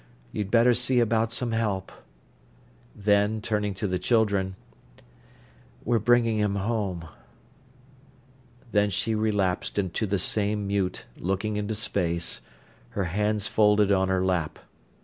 You'd better see about some help." Then, turning to the children: "We're bringing him home." Then she relapsed into the same mute looking into space, her hands folded on her lap.